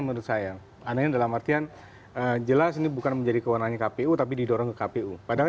menurut saya aneh dalam artian jelas ini bukan menjadi kewenangan kpu tapi didorong ke kpu padahal